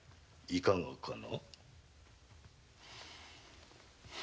いかがかな？